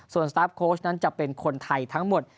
ส่วนสตาร์ฟโค้ชนั้นจะเป็นคนไทยทั้งหมด